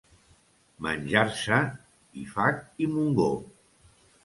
Menjar-se Ifac i Montgó.